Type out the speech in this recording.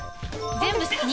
全部。